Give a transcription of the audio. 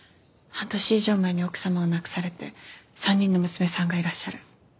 半年以上前に奥様を亡くされて３人の娘さんがいらっしゃる。